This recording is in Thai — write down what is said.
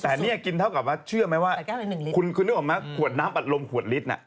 แต่เนี่ยกินเท่ากับว่าเชื่อไหมว่าคุณนึกออกไหมขวดน้ำอัดลมขวดลิตรน่ะ